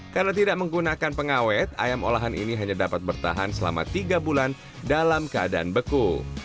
karena tidak menggunakan pengawet ayam olahan ini hanya dapat bertahan selama tiga bulan dalam keadaan beku